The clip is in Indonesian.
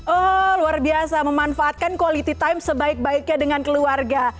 oh luar biasa memanfaatkan quality time sebaik baiknya dengan keluarga